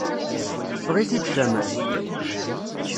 Teffeɣ-it-id tamart.